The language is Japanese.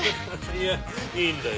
いやいいんだよ。